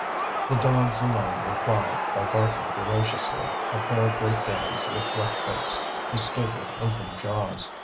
The dogs alone replied, by barking ferociously, a pair of Great Danes, with rough coats, who stood with open jaws.